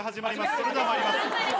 それではまいります。